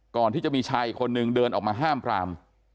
ก่อนที่จะมีชายอีกคนนึงเดินออกมาห้ามปราม